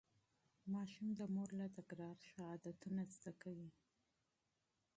ماشوم د مور له تکرار ښه عادتونه زده کوي.